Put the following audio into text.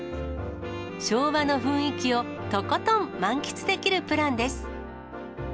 昭和の雰囲気をとことん満喫できるプランです。